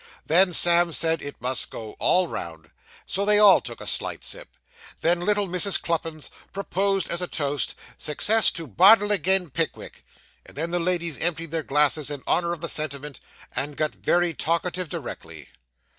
Then Sam said it must go all round, so they all took a slight sip. Then little Mrs. Cluppins proposed as a toast, 'Success to Bardell agin Pickwick'; and then the ladies emptied their glasses in honour of the sentiment, and got very talkative directly.